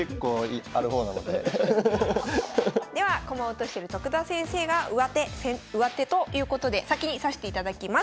では駒を落としてる徳田先生が上手ということで先に指していただきます。